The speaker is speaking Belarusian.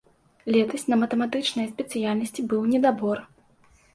Летась на матэматычныя спецыяльнасці быў недабор.